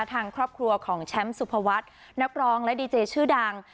ทางครอบครัวของแชมป์สุภวัฒน์นักร้องและดีเจชื่อดัง